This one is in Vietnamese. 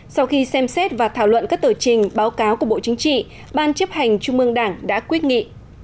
sau khi xem xét và thảo luận các tờ trình báo cáo của bộ chính trị ban chấp hành trung ương đảng đã quyết nghị